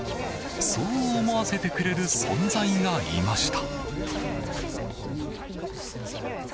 そう思わせてくれる存在がいました。